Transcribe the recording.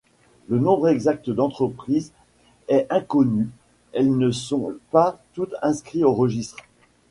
Le nombre exact d'entreprises est inconnu elles ne sont pas toutes inscrites au registre.